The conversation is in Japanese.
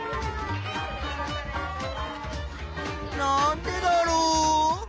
なんでだろう？